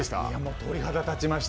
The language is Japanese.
鳥肌が立ちました。